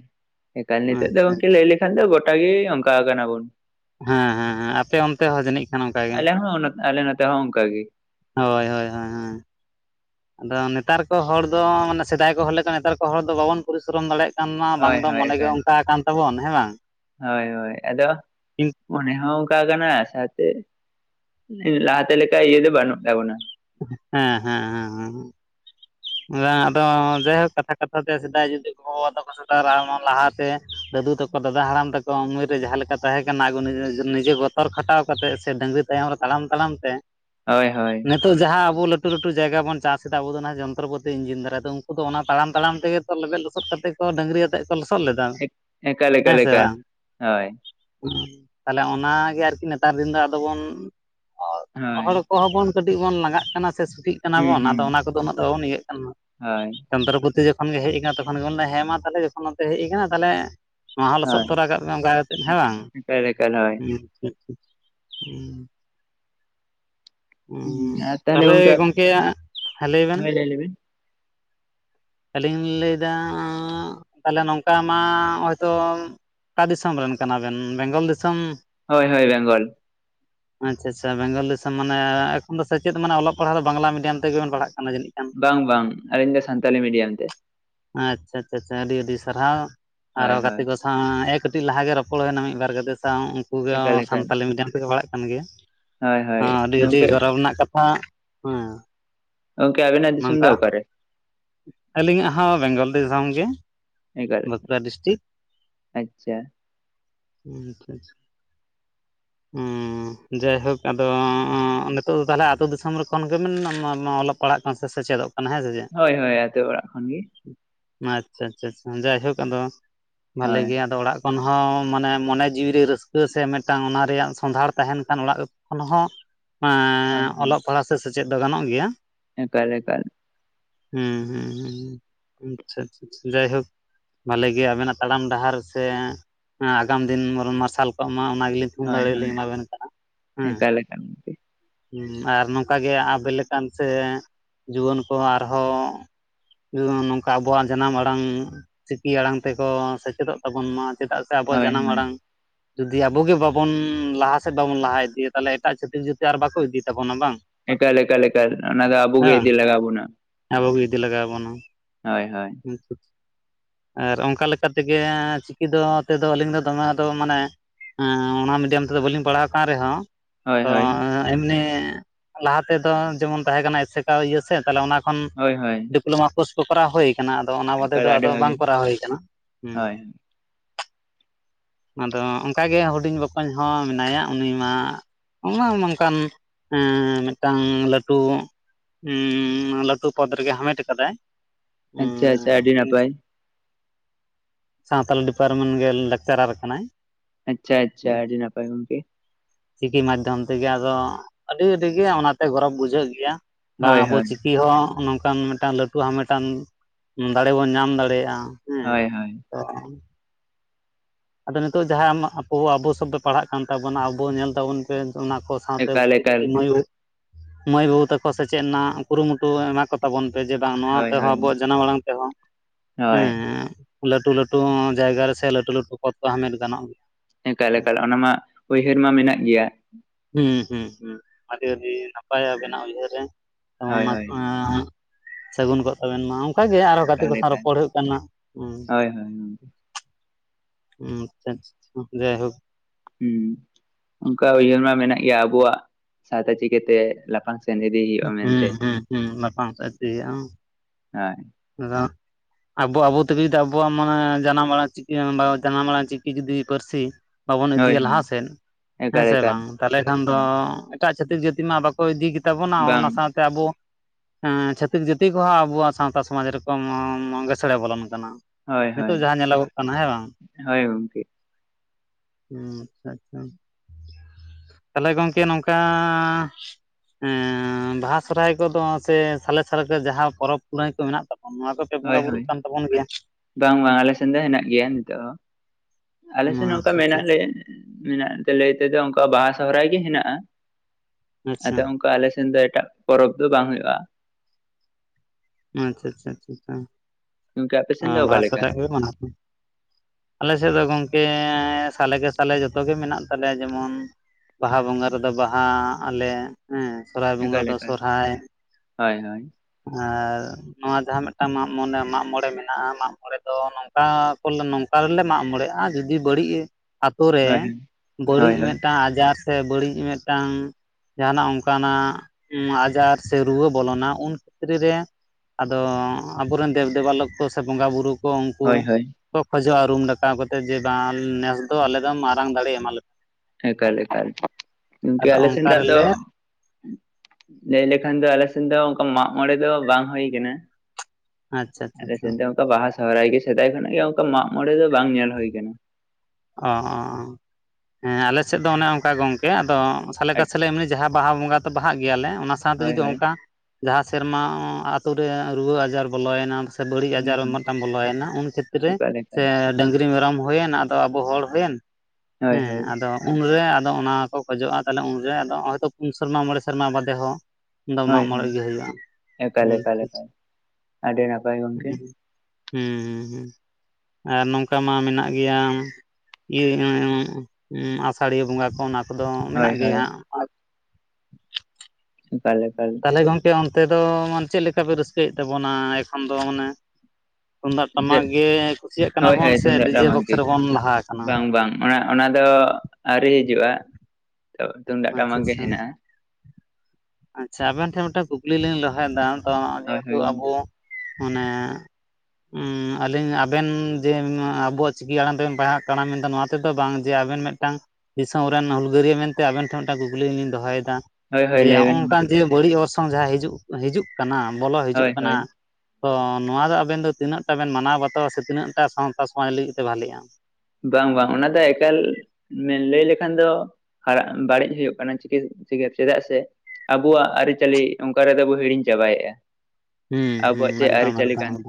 ᱮᱠᱟᱞ, ᱱᱤᱛᱳᱜ ᱫᱚ ᱟᱪᱪᱷᱟ ᱜᱚᱝᱠᱮ ᱞᱟᱹᱭ ᱞᱮᱠᱷᱟᱡ ᱫᱚ ᱜᱚᱴᱟ ᱜᱮ ᱚᱸᱠᱟ ᱦᱟᱠᱟᱱ ᱟᱵᱚᱱ᱾ ᱦᱮᱸ ᱦᱮᱸ ᱦᱮᱸ ᱟᱯᱮ ᱚᱱᱛᱮ ᱦᱚᱸ ᱡᱟᱹᱱᱤᱡ ᱠᱷᱟᱱ ᱚᱱᱠᱟ ᱜᱮ? ᱟᱞᱮ ᱦᱚᱸ ᱚᱱᱟ- ᱟᱞᱮ ᱱᱚᱛᱮ ᱦᱚᱸ ᱚᱱᱠᱟ ᱜᱮ ᱦᱳᱭ ᱦᱳᱭ ᱦᱳᱭ ᱦᱳᱸᱭ᱾ ᱟᱫᱚ ᱱᱮᱛᱟᱨ ᱠᱚ ᱦᱚᱲ ᱫᱚ ᱢᱟᱱᱮ ᱥᱮᱫᱟᱭ ᱠᱚ ᱦᱚᱲ ᱞᱮᱠᱟ ᱱᱮᱛᱟᱨ ᱠᱚ ᱦᱚᱲ ᱫᱚ ᱵᱟᱵᱚᱱ ᱯᱚᱨᱤᱥᱚᱨᱚᱢ ᱫᱟᱲᱮᱭᱟᱜ ᱠᱟᱱᱼᱟ ᱵᱟᱝ ᱦᱳᱭ ᱫᱚ ᱦᱳᱭ ᱢᱚᱱᱮ ᱜᱮ ᱮᱠᱟᱞ ᱚᱱᱠᱟ ᱦᱟᱠᱟᱱ ᱛᱟᱵᱚᱱ, ᱦᱮᱸ ᱵᱟᱝ? ᱦᱳᱭ ᱦᱳᱭ ᱟᱫᱚ ᱢᱚᱱᱮ ᱦᱚᱸ ᱚᱸᱠᱟ ᱦᱟᱠᱟᱱᱟ ᱥᱟᱶᱛᱮ ᱤ ᱞᱟᱦᱟᱛᱮ ᱞᱮᱠᱟ ᱤᱭᱟᱹ ᱫᱚ ᱵᱟᱹᱱᱩᱜ ᱛᱟᱵᱚᱱᱟ᱾ ᱦᱮᱸ ᱦᱮᱸ ᱦᱮᱸ ᱦᱚᱸ ᱦᱚᱸᱜ᱾ ᱵᱟᱝᱼᱟ, ᱟᱫᱚ ᱡᱟᱭᱦᱳᱠ ᱠᱟᱛᱷᱟ ᱠᱟᱛᱷᱟ ᱛᱮ ᱥᱮᱫᱟᱭ ᱡᱩᱫᱤ ᱜᱚᱼᱵᱟᱵᱟ ᱛᱟᱠᱚ ᱫᱟᱫᱟ ᱨᱟᱦᱟ ᱢᱚᱱ ᱞᱟᱦᱟᱛᱮ ᱫᱟᱹᱫᱩ ᱛᱮᱠᱚ ᱫᱟᱫᱟ ᱦᱟᱲᱟᱢ ᱛᱮᱠᱚ ᱩᱢᱮᱨ ᱨᱮ ᱡᱟᱦᱟᱸ ᱞᱮᱠᱟ ᱛᱟᱦᱮᱸ ᱠᱟᱱᱟ ᱟᱠᱚ ᱱᱤᱡ ᱱᱤᱡᱮ ᱱᱤᱡᱟᱹ ᱠᱚ ᱚᱨ ᱠᱷᱟᱴᱟᱣ ᱠᱟᱛᱮᱜ ᱥᱮ ᱰᱟᱺᱜᱽᱨᱤ ᱛᱟᱭᱚᱢ ᱨᱮ ᱛᱟᱲᱟᱢ ᱛᱟᱲᱟᱢ ᱛᱮ ᱦᱳᱭ ᱦᱳᱭ᱾ ᱱᱤᱛᱚᱜ ᱡᱟᱦᱟᱸ ᱟᱵᱚ ᱞᱟᱹᱴᱩ ᱞᱟᱹᱴᱩ ᱡᱟᱭᱜᱟ ᱵᱚᱱ ᱪᱟᱥ ᱮᱫᱟ ᱟᱵᱚ ᱫᱚ ᱡᱟᱢ ᱪᱷᱚᱛᱨᱚᱵᱚᱛᱤ ᱤᱧᱡᱤᱱ ᱫᱟᱨᱟᱭ ᱛᱮ, ᱩᱸᱠᱩ ᱫᱚ ᱚᱱᱟ ᱛᱟᱲᱟᱢ ᱛᱟᱲᱟᱢ ᱛᱮᱜᱮ ᱛᱚ ᱞᱮᱵᱮᱫ ᱞᱚᱥᱚᱫ ᱠᱟᱛᱮ ᱠᱚ ᱰᱟᱺᱜᱽᱨᱤ ᱟᱛᱮᱫ ᱠᱚ ᱠᱚ ᱞᱚᱥᱚᱫ ᱞᱮᱫᱟ ᱮᱠᱟᱞ ᱮᱠᱟᱞ ᱦᱮᱸ ᱥᱮ ᱮᱠᱟᱞ ᱵᱟᱝ? ᱦᱳᱭ ᱦᱮᱸ ᱛᱟᱦᱚᱞᱮ ᱚᱱᱟ ᱜᱮ ᱟᱨᱠᱤ ᱱᱮᱛᱟᱨ ᱫᱤᱱ ᱫᱚ ᱟᱫᱚ ᱵᱚᱱ ᱦᱚᱸ ᱦᱳᱭ ᱦᱚᱲ ᱠᱚᱦᱚᱸ ᱵᱚᱱ ᱠᱟᱹᱴᱤᱡ ᱵᱚᱱ ᱞᱟᱸᱜᱟᱜ ᱠᱟᱱᱟ, ᱥᱮ ᱥᱩᱠᱷᱤᱜ ᱠᱟᱱᱟ ᱦᱩᱸ ᱵᱚᱱ ᱦᱩᱸ ᱟᱫᱚ ᱚᱱᱟ ᱠᱚᱫᱚ ᱩᱱᱟᱹᱜ ᱵᱟᱵᱚᱱ ᱤᱭᱟᱹᱜ ᱠᱟᱱᱟ᱾ ᱦᱳᱭ᱾ ᱪᱚᱱᱫᱨᱚᱯᱚᱛᱤ ᱡᱚᱠᱷᱚᱱ ᱜᱮ ᱦᱮᱡ ᱟᱠᱟᱱᱟ ᱛᱚᱠᱷᱚᱱ ᱜᱮ ᱵᱚᱱ ᱞᱟᱹᱭᱟ, ᱦᱮᱸ ᱢᱟ ᱛᱟᱦᱮᱞᱮ ᱡᱚᱠᱷᱚᱱ ᱱᱚᱛᱮ ᱦᱮᱡ ᱟᱠᱟᱱᱟ ᱛᱟᱦᱮᱞᱮ ᱱᱚᱣᱟ ᱦᱚᱸ ᱞᱚᱥᱚᱫ ᱦᱳᱭ ᱛᱚᱨᱟ ᱠᱟᱜ ᱢᱮ ᱚᱱᱠᱟ ᱠᱟᱛᱮᱫ ᱦᱮᱸ ᱵᱟᱝ, ᱮᱠᱟᱞ ᱮᱠᱟᱞ ᱦᱳᱭ ᱦᱩᱸ ᱴᱷᱤᱠ ᱴᱷᱤᱠ, ᱦᱩᱸ ᱾ ᱦᱩᱸ ᱚᱦᱚᱸ, ᱟᱨ ᱛᱟᱦᱚᱞᱮ ᱜᱚᱝᱠᱮᱭᱟᱜ, ᱦᱮᱸ ᱞᱟᱹᱭ ᱵᱮᱱ? ᱦᱮ ᱞᱟᱹᱭ ᱵᱤᱱ? ᱟᱹᱞᱤᱧ ᱞᱟᱹᱭᱻᱫᱟᱸᱻᱜ ᱛᱟᱦᱚᱞᱮ ᱱᱚᱝᱠᱟ ᱢᱟ ᱦᱚᱭᱛᱳ ᱚᱠᱟ ᱫᱤᱥᱚᱢ ᱨᱮᱱ ᱠᱟᱱᱟᱵᱮᱱ ᱵᱮᱝᱜᱚᱞ ᱫᱤᱥᱚᱢ? ᱦᱳᱭ ᱦᱳᱭ ᱵᱮᱝᱜᱚᱞ᱾ ᱟᱪᱪᱷᱟ ᱟᱪᱪᱷᱟ ᱵᱮᱝᱜᱚᱞ ᱫᱤᱥᱚᱢ ᱢᱟᱱᱮ ᱮᱠᱷᱚᱱ ᱫᱚ ᱥᱮᱪᱮᱫ ᱢᱟᱱᱮ ᱚᱞᱚᱜ ᱯᱟᱲᱦᱟᱜ ᱫᱚ ᱵᱟᱝᱜᱽᱞᱟ ᱢᱤᱰᱤᱭᱟᱢ ᱛᱮᱜᱮ ᱵᱮᱱ ᱯᱟᱲᱦᱟᱜ ᱠᱟᱱᱟ ᱡᱟᱹᱱᱤᱡ ᱠᱷᱟᱱ? ᱵᱟᱝ ᱵᱟᱝ ᱟᱹᱞᱤᱧ ᱫᱚ ᱥᱟᱱᱛᱟᱞᱤ ᱢᱤᱰᱤᱭᱟᱹᱢ ᱛᱮ᱾ ᱟᱪᱪᱷᱟ ᱪᱪᱷᱟ ᱟᱪᱪᱷᱟ, ᱟᱹᱰᱤ ᱟᱹᱰᱤ ᱥᱟᱨᱦᱟᱣ ᱟᱨᱚ ᱦᱳᱭ ᱜᱟᱛᱮ ᱦᱳᱭ ᱠᱚ ᱟᱸ ᱮ ᱠᱟᱹᱴᱤᱡ ᱞᱟᱦᱟ ᱜᱮ ᱨᱚᱯᱚᱲ ᱦᱩᱭ ᱮᱱᱟ ᱢᱤᱫ ᱵᱟᱨ ᱜᱟᱛᱮ ᱥᱟᱶ ᱩᱸᱠᱩ ᱜᱮᱣ ᱮᱠᱟᱞ ᱮᱠᱟᱞ ᱥᱟᱱᱛᱟᱞᱤ ᱢᱤᱰᱤᱭᱟᱢ ᱛᱮᱠᱚ ᱯᱟᱲᱦᱟᱜ ᱠᱟᱱ ᱜᱮᱭᱟ, ᱦᱳᱭ ᱦᱳᱭ ᱦᱚᱸ ᱟᱹᱰᱤ ᱟᱹᱰᱤ ᱜᱚᱝᱠᱮ ᱜᱚᱨᱚᱵᱽ ᱨᱮᱱᱟᱜ ᱠᱟᱛᱷᱟ, ᱦᱮᱸ᱾ ᱜᱚᱝᱠᱮ ᱟᱹᱵᱤᱱᱟᱜ ᱫᱤᱥᱚᱢ ᱫᱚ ᱚᱠᱟᱨᱮ? ᱟᱹᱞᱤᱧᱼᱦᱟᱸᱜ ᱦᱚᱸ ᱵᱮᱝᱜᱚᱞ ᱫᱤᱥᱚᱢ ᱜᱮ, ᱮᱠᱟᱞ ᱵᱟᱸᱠᱩᱲᱟ ᱰᱤᱥᱴᱤᱠ, ᱟᱪᱪᱷᱟ ᱟᱪᱪᱷᱟ ᱟᱪᱪᱷᱟ᱾ [inaudible] ᱦᱚᱸ ᱡᱟᱭᱦᱳᱠ ᱟᱫᱚ ᱦᱚᱸᱜᱼᱚ ᱱᱤᱛᱚᱜ ᱫᱚ ᱛᱟᱦᱮᱞᱮ ᱟᱹᱛᱩ ᱫᱤᱥᱚᱢ ᱨᱮ ᱠᱷᱚᱱ ᱜᱮ ᱢᱮᱱᱟᱻᱢᱟ ᱚᱞᱚᱜ ᱯᱟᱲᱦᱟᱜ ᱠᱟᱱᱟ ᱥᱮ ᱥᱮᱪᱮᱫᱚᱜ ᱠᱟᱱᱟ, ᱦᱮᱸ ᱥᱮ ᱪᱮᱫ? ᱦᱳᱭ ᱦᱳᱭ ᱟᱹᱛᱩ ᱚᱲᱟᱜ ᱠᱷᱚᱱ ᱜᱮ᱾ ᱟᱪᱪᱷᱟ ᱟᱪᱪᱷᱟ ᱟᱪᱪᱷᱟ, ᱡᱟᱭᱦᱩᱠ ᱟᱫᱚ ᱵᱷᱟᱞᱮ ᱦᱳᱭ ᱜᱮ ᱟᱫᱚ ᱚᱲᱟᱜ ᱠᱷᱚᱱ ᱦᱚᱸ ᱢᱟᱱᱮ ᱢᱚᱱᱮ ᱡᱤᱣᱤ ᱨᱮ ᱨᱟᱹᱥᱠᱟᱹ ᱥᱮ ᱢᱤᱫᱴᱟᱝ ᱚᱱᱟ ᱨᱮᱭᱟᱜ ᱥᱚᱸᱫᱷᱟᱲ ᱛᱟᱦᱮᱸᱱ ᱠᱷᱟᱱ ᱚᱲᱟᱜ ᱟᱹᱵ ᱠᱷᱚᱱ ᱦᱚᱸ ᱮᱸ ᱦᱳᱭ ᱦᱳᱭ ᱚᱞᱚᱜ ᱯᱟᱲᱦᱟᱜ ᱥᱮ ᱥᱮᱪᱮᱫ ᱫᱚ ᱜᱟᱱᱚᱜ ᱜᱮᱭᱟ᱾ ᱮᱠᱟᱞ ᱮᱠᱟᱞ, ᱦᱩᱸ ᱦᱩᱸ ᱦᱩᱸ ᱟᱪᱪᱷᱟ ᱟᱪᱪᱷᱟ ᱡᱟᱭᱦᱳᱠ, ᱵᱷᱟᱞᱮ ᱜᱮ ᱟᱵᱮᱱᱟᱜ ᱛᱟᱲᱟᱢ ᱰᱟᱦᱟᱨ ᱥᱮ ᱟᱜᱟᱢ ᱫᱤᱱ ᱵᱚᱱ ᱢᱟᱨᱥᱟᱞ ᱠᱚᱜ ᱢᱟ ᱚᱱᱟ ᱜᱮᱞᱤᱧ, ᱛᱷᱩᱢ ᱦᱳᱭ ᱫᱟᱲᱮ ᱦᱳᱭ ᱞᱤᱧ ᱮᱢᱟᱵᱮᱱ ᱠᱟᱱᱟ ᱦᱮᱸ᱾ ᱮᱠᱟᱞ ᱮᱠᱟᱞ ᱜᱚᱝᱠᱮ ᱦᱩᱸ ᱟᱨ ᱱᱚᱝᱠᱟ ᱜᱮ ᱟᱵᱮ ᱞᱮᱠᱟᱱ ᱥᱮ ᱡᱩᱣᱟᱹᱱ ᱠᱚ ᱟᱨᱦᱚᱸ ᱱᱚᱝᱠᱟ ᱟᱵᱚᱣᱟᱜ ᱡᱟᱱᱟᱢ ᱟᱲᱟᱝ ᱪᱤᱠᱤ ᱟᱲᱟᱝ ᱛᱮᱠᱚ ᱥᱮᱪᱮᱫᱚᱜ ᱛᱟᱵᱚᱱ ᱢᱟ, ᱪᱮᱫᱟᱜ ᱥᱮ ᱟᱵᱚᱣᱟᱜ ᱦᱳᱭ ᱡᱟᱱᱟᱢ ᱦᱳᱭ ᱟᱲᱟᱝ, ᱡᱩᱫᱤ ᱟᱵᱚ ᱜᱮ ᱵᱟᱵᱚᱱ ᱞᱟᱦᱟ ᱥᱮᱫ ᱵᱟᱵᱚᱱ ᱞᱟᱦᱟ ᱤᱫᱤᱭᱟ ᱛᱟᱦᱚᱞᱮ ᱮᱴᱟᱜ ᱪᱷᱟᱹᱛᱤᱠ ᱡᱟᱹᱛᱤ ᱟᱨ ᱵᱟᱠᱚ ᱤᱫᱤ ᱛᱟᱵᱚᱱᱟ ᱵᱟᱝ᱾ ᱮᱠᱟᱞ ᱮᱠᱟᱞ ᱮᱠᱟᱞ ᱚᱱᱟ ᱫᱚ ᱟᱵᱚ ᱜᱮ ᱤᱫᱤ ᱞᱟᱜᱟᱣ ᱵᱚᱱᱟ᱾ ᱟᱵᱚ ᱜᱮ ᱤᱫᱤ ᱞᱟᱜᱟᱣ ᱵᱚᱱᱟ᱾ ᱦᱳᱭ ᱦᱳᱭ, ᱟᱪᱪᱷᱟ ᱟᱪᱪᱷᱟ᱾ ᱟᱨ ᱚᱱᱠᱟ ᱞᱮᱠᱟ ᱛᱮᱜᱮ ᱪᱤᱠᱤ ᱫᱚ ᱛᱮᱫᱚ ᱟᱹᱞᱤᱧ ᱫᱚ ᱫᱚᱢᱮ ᱟᱫᱚ ᱢᱟᱱᱮ, ᱮᱸ ᱚᱱᱟ ᱢᱤᱰᱤᱭᱟᱢ ᱛᱮᱫᱚ ᱵᱟᱹᱞᱤᱧ ᱯᱟᱲᱦᱟᱣ ᱟᱠᱟᱱ ᱨᱮᱦᱚᱸ ᱦᱳᱭ ᱛᱚ, ᱦᱳᱭ ᱮᱸ ᱮᱢᱱᱤ ᱞᱟᱦᱟ ᱛᱮᱫᱚ ᱡᱮᱢᱚᱱ ᱛᱟᱦᱮᱸ ᱠᱟᱱᱟ ᱮᱥᱮᱠᱟᱣ ᱤᱭᱟᱹ ᱥᱮ ᱛᱟᱦᱚᱞᱮ ᱚᱱᱟ ᱠᱷᱚᱱ ᱦᱳᱭ ᱦᱳᱭ᱾ ᱰᱤᱯᱞᱳᱢᱟ ᱠᱳᱨᱥ ᱠᱚ ᱠᱚᱨᱟᱣ ᱦᱩᱭ ᱠᱟᱱᱟ ᱟᱫᱚ ᱚᱱᱟ ᱵᱟᱫᱮ ᱫᱚ ᱠᱟᱞᱟᱰᱤ ᱟᱫᱚ ᱵᱷᱟᱜᱮ ᱵᱟᱝ ᱠᱚᱨᱟᱣ ᱦᱩᱭᱩ ᱠᱟᱱᱟ ᱾ᱦᱩᱸ [inaudible] ᱟᱫᱚ ᱚᱱᱠᱟᱜ ᱜᱮ ᱦᱩᱰᱤᱧ ᱵᱚᱠᱚᱧ ᱦᱚᱸ ᱢᱮᱱᱟᱭᱟ ᱩᱱᱤ ᱢᱟ [unintelligible] ᱚᱱᱠᱟᱱ ᱮᱸ ᱢᱤᱫᱴᱟᱝ ᱞᱟᱹᱴᱩ ᱩᱸᱻ ᱞᱟᱹᱴᱩ ᱯᱚᱫ ᱨᱮᱜᱮ ᱦᱟᱢᱮᱴ ᱟᱠᱟᱫᱟᱭ᱾ ᱟᱪᱪᱷᱟ ᱟᱪᱪᱷᱟ ᱟᱹᱰᱤ ᱱᱟᱯᱟᱭ᱾ ᱥᱟᱱᱛᱟᱞᱤ ᱰᱤᱯᱟᱨᱢᱮᱱᱴ ᱜᱮ ᱞᱟᱠᱪᱟᱨᱟᱨ ᱠᱟᱱᱟᱭ᱾ ᱟᱪᱪᱷᱟ ᱟᱪᱪᱷᱟ ᱟᱹᱰᱤ ᱱᱟᱯᱟᱭ ᱜᱚᱝᱠᱮ, ᱪᱤᱠᱤ ᱢᱟᱫᱽᱫᱷᱚᱢ ᱛᱮᱜᱮ ᱟᱫᱚ ᱟᱹᱰᱤ ᱟᱹᱰᱤ ᱜᱮ ᱚᱱᱟᱛᱮ ᱜᱚᱨᱚᱵᱽ ᱵᱩᱡᱷᱟᱹᱜ ᱜᱮᱭᱟ ᱵᱟᱝ ᱦᱳᱭ ᱟᱵᱚ ᱦᱳᱭ ᱪᱤᱠᱤ, ᱠᱤ ᱦᱚᱸ ᱱᱚᱝᱠᱟᱱ ᱢᱤᱫᱴᱟᱱ ᱞᱟᱹᱴᱩ ᱦᱟᱢᱮᱴᱟᱱ ᱫᱟᱲᱮ ᱵᱚᱱ ᱧᱟᱢ ᱫᱟᱲᱮᱭᱟᱜᱼᱟ, ᱦᱳᱭ ᱦᱮᱸ ᱦᱳᱭ, [unintelligible] ᱟᱫᱚ ᱱᱤᱛᱚᱜ ᱡᱟᱦᱟᱸ ᱟᱢ ᱟᱵᱚ ᱟᱵᱚ ᱥᱚᱵ ᱯᱮ ᱯᱟᱲᱦᱟᱜ ᱠᱟᱱ ᱛᱟᱵᱚᱱᱟ ᱟᱵᱚ ᱧᱮᱞ ᱛᱟᱵᱚᱱ ᱯᱮ ᱚᱱᱟ ᱠᱚ, ᱥᱟᱶᱛᱮ ᱮᱠᱟᱞ ᱠᱟᱹᱴᱤᱜ ᱮᱠᱟᱞ ᱠᱟᱹᱴᱤᱜ ᱢᱟᱹᱭ ᱵᱟᱹᱵᱩ ᱢᱟᱹᱭ ᱵᱟᱹᱵᱩ ᱛᱟᱠᱚ ᱥᱮᱪᱮᱫ ᱨᱮᱱᱟᱜ ᱠᱩᱨᱩᱢᱩᱴᱩ ᱮᱢᱟ ᱠᱚᱯ ᱛᱟᱵᱚᱱ ᱯᱮ ᱡᱮ ᱵᱟᱝ ᱱᱚᱣᱟ ᱦᱳᱭ ᱛᱮᱦᱚᱸ ᱦᱳᱭ ᱟᱵᱚᱣᱟᱜ ᱡᱟᱱᱟᱢ ᱟᱲᱟᱝ ᱛᱮᱦᱚᱸ ᱦᱳᱭ ᱦᱮᱸ, ᱞᱟᱹᱴᱩ ᱞᱟᱹᱴᱩ ᱡᱟᱭᱜᱟ ᱨᱮ ᱥᱮ ᱞᱟᱹᱴᱩ ᱞᱟᱹᱴᱩ ᱯᱚᱫᱽ ᱠᱚ ᱦᱟᱢᱮᱴ ᱜᱟᱱᱚᱜ ᱜᱮᱭᱟ᱾ ᱮᱠᱟᱞ ᱮᱠᱟᱞ ᱚᱱᱟ ᱢᱟ ᱩᱭᱦᱟᱹᱨ ᱢᱟ ᱢᱮᱱᱟᱜ ᱜᱮᱭᱟ᱾ ᱦᱩᱸ ᱦᱩᱸ ᱦᱩᱸ ᱟᱹᱰᱤ ᱟᱹᱰᱤ ᱱᱟᱯᱟᱭᱟ ᱟᱵᱮᱱᱟᱜ ᱩᱭᱦᱟᱹᱨ ᱨᱮ᱾ ᱡᱮᱢᱚᱱ ᱦᱳᱭ ᱚᱱᱟ ᱦᱳᱭ ᱠᱚ ᱥᱟᱹᱜᱩᱱ ᱠᱚᱜ ᱛᱟᱵᱮᱱ ᱢᱟ᱾ ᱚᱱᱠᱟ ᱜᱮ ᱟᱨᱦᱚᱸ ᱜᱟᱛᱮ ᱮᱠᱟᱞ ᱠᱚ ᱥᱟᱶ ᱮᱠᱟᱞ ᱨᱚᱯᱚᱲ ᱦᱩᱭᱩᱜ ᱠᱟᱱᱟ ᱦᱩᱸ, ᱦᱳᱭ ᱦᱳᱭ ᱩᱸᱻᱟᱪᱪᱷᱟ ᱟᱪᱪᱷᱟ ᱡᱟᱭᱦᱳᱠ ᱦᱩᱸ ᱚᱱᱠᱟ ᱩᱭᱦᱟᱹᱨ ᱢᱟ ᱢᱮᱱᱟᱜ ᱜᱮᱭᱟ ᱟᱵᱚᱣᱟᱜ ᱥᱟᱶᱛᱟ ᱪᱤᱠᱟᱹᱛᱮ ᱞᱟᱯᱷᱟᱝ, ᱥᱮᱱ ᱤᱫᱤ ᱦᱩᱭᱩᱜᱼᱟ ᱦᱩᱸ ᱢᱮᱱᱛᱮ ᱦᱩᱸ ᱦᱩᱸ ᱞᱟᱯᱷᱟᱝ ᱥᱮᱫᱤᱭᱟ ᱦᱟᱸᱝ ᱦᱚᱭ, ᱟᱫᱚ, ᱟᱵᱚ ᱟᱵᱚ ᱛᱮᱜᱮ ᱡᱩᱫᱤ ᱟᱵᱚᱣᱟᱜ ᱢᱟᱱᱮ ᱡᱟᱱᱟᱢ ᱟᱲᱟᱝ ᱪᱤᱠᱤ [unintelligible] ᱡᱟᱱᱟᱢ ᱟᱲᱟᱝ ᱪᱤᱠᱤ ᱡᱩᱫᱤ ᱯᱟᱹᱨᱥᱤ ᱵᱟᱵᱚᱱ ᱦᱳᱭ ᱤᱫᱤᱭᱟ ᱦᱳᱭ ᱞᱟᱦᱟᱥᱮᱫ ᱦᱮᱸ ᱮᱠᱟᱞ ᱥᱮ ᱮᱠᱟᱞ ᱵᱟᱝ ᱛᱟᱦᱚᱞᱮ ᱠᱷᱟᱱ ᱫᱚ ᱦᱳᱭ ᱮᱴᱟᱜ ᱪᱷᱟᱹᱛᱤᱠ ᱡᱟᱹᱛᱤ ᱢᱟ, ᱤᱫᱤ ᱜᱮᱛᱟ ᱵᱚᱱᱟ ᱵᱟᱝ ᱚᱱᱟ ᱥᱟᱶᱛᱮ ᱟᱵᱚ ᱪᱷᱟᱛᱤᱠ ᱡᱟᱹᱛᱤ ᱠᱚᱦᱚᱸ ᱟᱵᱚᱣᱟᱜ ᱥᱟᱶᱛᱟ ᱟᱹᱵᱤ ᱨᱚᱠᱚᱡ ᱢᱟᱸᱜᱮ ᱥᱚᱲᱮ ᱵᱚᱞᱚᱱ ᱠᱟᱱᱟ᱾ ᱦᱳᱭ ᱦᱳᱭ ᱱᱤᱛᱚᱜ ᱡᱟᱦᱟᱸ ᱧᱮᱞᱚᱜᱚᱜ ᱠᱟᱱᱟ ᱦᱮᱸ ᱵᱟᱝ ᱦᱳᱭ ᱜᱚᱝᱠᱮ ᱟᱪᱪᱷᱟ ᱟᱪᱪᱷᱟ ᱛᱟᱦᱚᱞᱮ ᱜᱚᱝᱠᱮ ᱱᱚᱝᱠᱟ ᱵᱟᱦᱟ ᱥᱚᱨᱦᱟᱭ ᱠᱚᱫᱚ ᱥᱮ ᱥᱟᱞᱮ ᱥᱟᱨᱮ ᱛᱮ ᱡᱟᱦᱟᱸ ᱯᱚᱨᱚᱵᱽ ᱯᱩᱱᱟᱹᱭ ᱠᱚ ᱢᱮᱱᱟᱜ ᱛᱟᱵᱚᱱ ᱱᱚᱣᱟ ᱫᱚ ᱯᱮ ᱵᱚᱸᱜᱟ ᱦᱳᱭ ᱵᱩᱨᱩᱜ ᱦᱳᱭ ᱠᱟᱱ ᱛᱟᱵᱚᱱ ᱜᱮᱭᱟ ᱵᱟᱝ ᱵᱟᱝ ᱟᱞᱮ ᱥᱮᱱ ᱫᱚ ᱦᱮᱱᱟᱜ ᱜᱮᱭᱟ ᱱᱤᱛᱚᱜ ᱦᱚᱸ ᱟᱞᱮ ᱥᱮᱱ ᱟᱪᱪᱷᱟ ᱱᱚᱝᱠᱟ ᱟᱪᱪᱷᱟ ᱢᱮᱱᱟᱜ ᱟᱪᱪᱷᱟ ᱞᱮᱭᱟ ᱢᱮᱱᱟᱜ ᱮᱱᱛᱮ ᱞᱟᱹᱭ ᱛᱮᱫᱚ ᱚᱱᱠᱟ ᱵᱟᱦᱟ ᱥᱚᱦᱚᱨᱟᱭ ᱜᱮ ᱦᱮᱱᱟᱜᱼᱟ᱾ ᱟᱫᱚ ᱟᱪᱪᱷᱟ ᱚᱱᱠᱟ ᱟᱞᱮ ᱥᱮᱱ ᱫᱚ ᱮᱴᱟᱜ ᱯᱚᱨᱚᱵᱽ ᱫᱚ ᱵᱟᱝ ᱦᱩᱭᱩᱜᱼᱟ᱾ ᱟᱪᱪᱷᱟ ᱟᱪᱪᱷᱟ ᱟᱪᱪᱷᱟ ᱟᱪᱪᱷᱟ ᱜᱚᱢᱠᱮ ᱟᱯᱮ ᱥᱮᱱ ᱫᱚ ᱚᱠᱟ ᱞᱮᱠᱟ [inaudible] [unintelligible] ᱟᱞᱮᱥᱮᱫ ᱫᱚ ᱜᱚᱝᱠᱮ ᱥᱟᱞᱮ ᱠᱮ ᱥᱟᱞᱮ ᱡᱚᱛᱚ ᱜᱮ ᱢᱮᱱᱟᱜ ᱛᱟᱞᱮᱭᱟ ᱡᱮᱢᱚᱱ ᱵᱟᱦᱟ ᱵᱚᱸᱜᱟ ᱨᱮᱫᱚ ᱵᱟᱦᱟᱜ ᱟᱞᱮ ᱦᱮᱸ ᱥᱚᱨᱦᱟᱭ ᱵᱚᱸᱜᱟ ᱮᱠᱟᱞ ᱫᱚ ᱮᱠᱟᱞ ᱥᱚᱨᱦᱟᱭ ᱦᱳᱭ ᱦᱳᱭ ᱟᱨ ᱱᱚᱣᱟ ᱡᱟᱦᱟᱸ ᱢᱤᱫᱴᱟᱝ ᱢᱟᱜ ᱢᱚᱬᱮ ᱢᱟᱜ ᱢᱚᱬᱮ ᱢᱮᱱᱟᱜᱼᱟ ᱢᱟᱜ ᱢᱚᱬᱮ ᱫᱚ ᱱᱚᱝᱠᱟ ᱠᱚ ᱱᱚᱝᱠᱟ [inaudible] ᱢᱟᱜᱽ ᱢᱚᱬᱮᱜᱼᱟ ᱡᱩᱫᱤ ᱵᱟᱹᱲᱤᱡ ᱟᱛᱳ ᱨᱮ ᱦᱳᱭ ᱦᱳᱭ ᱵᱟᱹᱲᱤᱡ ᱦᱳᱭ ᱢᱤᱫᱴᱟᱝ ᱟᱡᱟᱨ ᱥᱮ ᱵᱟᱹᱲᱤᱡ ᱢᱤᱫᱴᱟᱝ ᱡᱟᱦᱟᱱᱟᱜ ᱚᱱᱠᱟᱱᱟᱜ ᱟᱡᱟᱨ ᱥᱮ ᱨᱩᱣᱟᱹ ᱵᱚᱞᱚᱱᱟ ᱩᱱ ᱠᱷᱮᱛᱨᱮ ᱨᱮ ᱟᱫᱚ ᱟᱵᱚᱨᱮᱱ ᱫᱮᱵᱽ ᱫᱮᱵᱟᱞᱚᱠ ᱠᱚ ᱥᱮ ᱵᱚᱸᱜᱟ ᱵᱩᱨᱩ ᱠᱚ ᱩᱱᱠᱩ ᱦᱳᱭ ᱦᱳᱭ ᱠᱚ ᱠᱷᱚᱡᱚᱜᱼᱟ ᱨᱩᱢ ᱰᱟᱠᱟᱣ ᱠᱟᱛᱮ ᱡᱮ ᱵᱟᱝ ᱱᱮᱥ ᱫᱚ ᱟᱞᱮ ᱫᱚ ᱢᱟᱨᱟᱝ ᱫᱟᱲᱮ ᱮᱢᱟᱞᱮᱯᱮ ᱮᱠᱟᱞ ᱮᱠᱟᱞ ᱜᱚᱝᱠᱮ ᱟᱫᱚ ᱚᱱᱠᱟ ᱟᱞᱮᱥᱮᱱᱟᱜ ᱫᱚ ᱨᱮᱞᱮ ᱞᱟᱹᱭ ᱞᱮᱠᱷᱟᱱ ᱫᱚ ᱟᱞᱮ ᱥᱮᱱ ᱫᱚ ᱚᱱᱠᱟ ᱢᱟᱜ ᱢᱚᱬᱮ ᱫᱚ ᱵᱟᱝ ᱦᱳᱭ ᱠᱟᱱᱟ ᱟᱪᱪᱷᱟ ᱟᱪᱪᱷᱟ ᱟᱞᱮ ᱟᱪᱪᱷᱟ ᱥᱮᱫᱽ ᱫᱚ ᱚᱱᱠᱟ ᱵᱟᱦᱟ ᱥᱚᱦᱚᱨᱟᱭ ᱜᱮ ᱥᱮᱫᱟᱭ ᱠᱷᱚᱱᱟᱜ ᱜᱮ ᱚᱱᱠᱟ ᱢᱟᱜᱽ ᱢᱚᱬᱮ ᱫᱚ ᱵᱟᱝ ᱧᱮᱞ ᱦᱳᱭ ᱠᱟᱱᱟ ᱚᱻᱻ ᱦᱮᱸ ᱟᱞᱮ ᱥᱮᱫ ᱫᱚ ᱚᱱᱮ ᱚᱱᱠᱟ ᱜᱚᱝᱠᱮ ᱟᱫᱚ ᱥᱟᱞᱮ ᱠᱟ ᱟᱨ ᱥᱟᱞᱮ ᱮᱢᱱᱤ ᱡᱟᱦᱟᱸ ᱵᱟᱦᱟ ᱵᱚᱸᱜᱟ ᱛᱚ ᱵᱟᱦᱟᱜ ᱜᱮᱭᱟᱞᱮ ᱚᱱᱟ ᱥᱟᱶᱛᱮ ᱦᱳᱭ ᱡᱩᱫᱤ ᱦᱳᱭ ᱚᱱᱠᱟ ᱡᱟᱦᱟᱸ ᱥᱮᱨᱢᱟ ᱟᱛᱩ ᱨᱮ ᱨᱩᱣᱟᱹ ᱟᱡᱟᱨ ᱵᱚᱞᱚᱭᱮᱱᱟ ᱥᱮ ᱵᱟᱹᱲᱤᱡ ᱦᱳᱭ ᱟᱡᱟᱨ ᱦᱳᱭ ᱢᱤᱫᱴᱟᱝ ᱵᱚᱞᱚᱭᱮᱱᱟ ᱩᱱ ᱠᱷᱮᱛᱨᱮ ᱮᱠᱟᱞ ᱥᱮ ᱮᱠᱟᱞ ᱰᱟᱹᱝᱨᱤ ᱢᱮᱨᱚᱢ ᱦᱩᱭᱮᱱ ᱟᱫᱚ ᱟᱵᱚ ᱦᱚᱲ ᱨᱮᱱ ᱦᱳᱭ ᱦᱮᱸ ᱦᱳᱭ ᱟᱫᱚ ᱩᱱᱨᱮ ᱟᱫᱚ ᱚᱱᱟ ᱠᱚ ᱠᱷᱚᱡᱚᱜᱼᱟ ᱛᱟᱦᱞᱮ ᱩᱱᱨᱮ ᱟᱫᱚ ᱦᱚᱭᱛᱚ ᱯᱩᱱ ᱥᱮᱨᱢᱟ ᱢᱚᱬᱮ ᱥᱮᱨᱢᱟ ᱵᱟᱫᱮ ᱦᱚᱸ ᱫᱚ ᱢᱟᱜᱽ ᱦᱳᱭ ᱢᱚᱬᱮ ᱦᱳᱭ ᱜᱮ ᱦᱩᱭᱩᱜᱼᱟ ᱮᱠᱟᱞ ᱦᱩᱸ ᱮᱠᱟᱞ ᱮᱠᱟᱞ ᱟᱹᱰᱤ ᱱᱟᱯᱟᱭ [inaudible] ᱜᱚᱝᱠᱮ ᱦᱩᱸ ᱦᱩᱸ ᱦᱩᱸ ᱦᱩᱸ ᱟᱨ ᱱᱚᱝᱠᱟ ᱢᱟ ᱢᱮᱱᱟᱜ ᱜᱮᱭᱟ ᱤᱭᱟᱹ ᱟᱥᱟᱲᱤᱭᱟᱹ ᱵᱚᱸᱜᱟ ᱠᱚ ᱚᱱᱟ ᱠᱚᱫᱚ ᱦᱳᱭ ᱢᱮᱱᱟᱜ ᱦᱳᱭ ᱜᱮᱭᱟ ᱦᱟᱸᱜ ᱮᱠᱟᱞ ᱮᱠᱟᱞ ᱛᱟᱦᱚᱸᱞᱮ ᱜᱚᱝᱹᱠᱮ ᱚᱱᱛᱮ ᱫᱚ ᱢᱟᱹᱱᱮ ᱪᱮᱫ ᱞᱮᱠᱟᱹ ᱯᱮ ᱨᱟᱹᱥᱠᱟᱹᱭᱮᱫ ᱛᱟᱹᱵᱚᱱᱟᱹ ᱮᱠᱷᱚᱱ ᱫᱚ ᱢᱟᱹᱱᱮ ᱛᱩᱢᱹᱫᱟᱜ ᱴᱟᱢᱟᱠ ᱜᱮ ᱠᱩᱥᱤᱹᱭᱟᱜ ᱠᱟᱱᱟᱹ ᱦᱳᱭ ᱵᱚᱱ ᱦᱳᱭ ᱥᱮ ᱛᱩᱢᱫᱟᱜ ᱰᱤᱡᱮ ᱴᱟᱢᱟᱠ ᱵᱚᱠᱥ ᱜᱮ ᱨᱮᱹᱵᱚᱱ ᱞᱟᱦᱟᱸ ᱟᱼᱠᱟᱱᱟᱹ᱾ ᱵᱟᱝ ᱵᱟᱝ ᱚᱱᱟ ᱚᱱᱟ ᱫᱚ ᱟᱹᱣᱨᱤ ᱦᱤᱡᱩᱜᱼᱟᱹ ᱛᱚ ᱛᱩᱢᱫᱟᱜ ᱴᱟᱢᱟᱠ ᱜᱮ ᱦᱮᱱᱟᱜᱼᱟᱹ᱾ ᱟᱪᱷᱟᱹ ᱟᱸᱵᱮᱱ ᱴᱷᱮᱱ ᱢᱤᱫᱹᱴᱮᱱ ᱠᱩᱠᱞᱤ ᱞᱤᱧ ᱨᱚᱦᱚᱭᱟ ᱛᱚ ᱦᱳᱭ ᱡᱮᱦᱮᱛᱩ ᱦᱳᱭ ᱟᱸᱵᱚ ᱢᱟᱱᱮᱹ ᱚᱸ ᱟᱹᱞᱤᱧ ᱟᱸᱵᱮᱱ ᱡᱮ ᱟᱸᱵᱚᱹᱣᱟᱜ ᱪᱤᱠᱤ ᱟᱲᱟᱝ ᱛᱮᱹᱵᱮᱱ ᱯᱟᱭᱦᱟᱼᱜ ᱠᱟᱱᱟᱹ ᱢᱮᱱᱹᱫᱟ ᱱᱚᱣᱟᱹ ᱛᱮᱫᱚ ᱵᱟᱝ ᱡᱮ ᱟᱸᱵᱮᱱ ᱢᱤᱫᱹᱴᱟᱝ ᱫᱤᱥᱚᱢ ᱨᱮᱱ ᱦᱩᱞᱜᱟᱹᱨᱭᱟᱹ ᱢᱮᱱᱹᱛᱮ ᱟᱸᱵᱮᱱ ᱴᱷᱮᱱ ᱢᱤᱫᱹᱴᱟᱝ ᱠᱩᱠᱞᱤ ᱞᱤᱧ ᱫᱚᱹᱦᱚᱭᱸᱮᱫᱟ᱾ ᱦᱳᱭᱸ ᱦᱳ ᱞᱟᱹᱭᱸᱵᱮ ᱜᱚᱢᱠᱮ ᱵᱟᱹᱲᱤᱡ ᱚᱨᱥᱚᱝ ᱡᱟᱦᱟᱸ ᱦᱤᱡᱩᱜ ᱦᱤᱡᱩᱜ ᱠᱟᱱᱟᱹ ᱵᱚᱞᱚ ᱦᱤᱡᱩᱜ ᱦᱳᱭ ᱦᱳᱭ ᱠᱟᱱᱟᱹ ᱛᱚᱸ ᱱᱚᱹᱣᱟ ᱫᱚ ᱟᱸᱵᱮᱱ ᱫᱚ ᱛᱤᱱᱟᱹᱜ ᱴᱟ ᱵᱮᱱ ᱢᱟᱱᱟᱼᱣ ᱵᱟᱹᱛᱟᱣᱟ ᱥᱮ ᱛᱤᱱᱟᱹᱜ ᱴᱟ ᱥᱟᱶᱛᱟ ᱥᱚᱢᱟᱡᱽ ᱞᱟᱹᱜᱤᱫ ᱛᱮ ᱵᱟᱹᱞᱤᱮᱜᱼᱟᱹ᱾ ᱵᱟᱝ ᱵᱟᱝ ᱚᱱᱟ ᱫᱚ ᱮᱠᱟᱞ ᱢᱮᱱ ᱞᱟᱹᱭ ᱞᱮᱹᱠᱷᱟᱱ ᱫᱚ ᱟᱲᱟᱜ ᱵᱟᱹᱲᱤᱡ ᱦᱳᱭᱳᱼᱜ ᱠᱟᱱᱟᱹ ᱪᱤᱠᱟᱹ ᱪᱤᱠᱟᱹ, ᱪᱮᱫᱟᱜ ᱥᱮ ᱟᱵᱚᱣᱟᱜᱼᱟ ᱟᱹᱨᱤᱪᱟᱹᱞᱤ ᱚᱱᱠᱟ ᱨᱮᱫᱚ ᱵᱚ ᱦᱤᱲᱤᱧ ᱪᱟᱵᱟᱭᱮᱜᱼᱟ, ᱦᱩᱸ ᱟᱵᱚᱣᱚᱜ-ᱟ ᱦᱩᱸ ᱪᱮᱫ ᱮᱠᱫᱚᱢ ᱟᱹᱨᱤᱪᱟᱹᱞᱤ ᱠᱟᱱ ᱮᱠᱫᱚᱢ